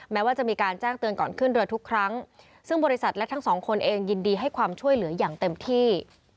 แม้ว่าจะมีการแจ้งเตือนก่อนขึ้นเรือทุกครั้งซึ่งบริษัทและทั้งสองคนเองยินดีให้ความช่วยเหลืออย่างเต็มที่